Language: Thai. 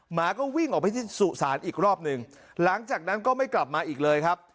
หมาก็วิ่งออกไปที่สุสานอีกรอบหนึ่งหลังจากนั้นก็ไม่กลับมาอีกเลยครับ